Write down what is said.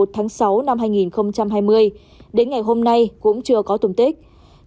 tháng sáu năm hai nghìn hai mươi đến ngày hôm nay cũng chưa có tùng tích